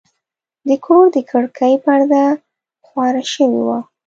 د کور د کړکۍ پرده خواره شوې وه.